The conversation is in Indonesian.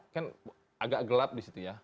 kan agak gelap di situ ya